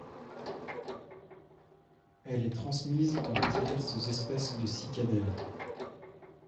Elle est transmise par diverses espèces de cicadelles.